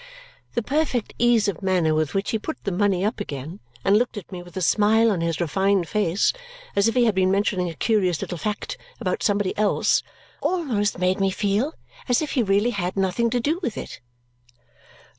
The perfect ease of manner with which he put the money up again and looked at me with a smile on his refined face, as if he had been mentioning a curious little fact about somebody else, almost made me feel as if he really had nothing to do with it.